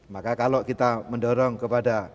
maka kalau kita mendorong kepada